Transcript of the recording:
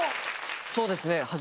そうですね。